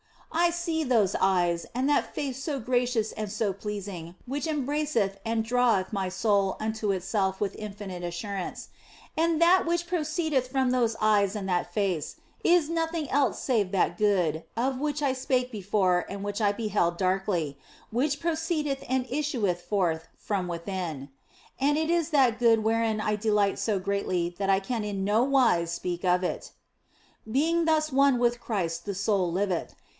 I see those eyes, and that face so gracious and so pleasing, which embraceth and draweth my soul unto itself with infinite assurance. And that OF FOLIGNO 185 which proceedeth from those eyes and that face is nothing else save that Good of which I spake before and which I beheld darkly, which proceedeth and issueth forth from within. And it is that Good wherein I delight so greatly that I can in no wise speak of it. Being thus one with Christ the soul liveth.